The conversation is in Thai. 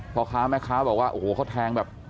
พ่อค้าแม่ค้าบอกว่าโอ้โหเขาแทงแบบ